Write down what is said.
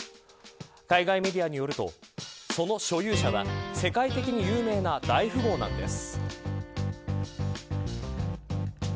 海外メディアによるとその所有者は世界的に有名な大富豪なんです。